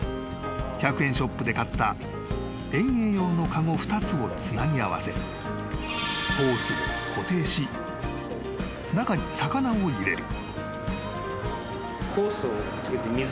［１００円ショップで買った園芸用の籠２つをつなぎ合わせホースを固定し中に魚を入れる］